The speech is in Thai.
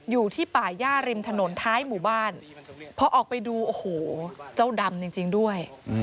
อยู่ที่ป่าย่าริมถนนท้ายหมู่บ้านพอออกไปดูโอ้โหเจ้าดำจริงด้วย